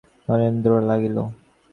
নগেন্দ্র বিনোদার সহিত গল্প করিতে লাগিল।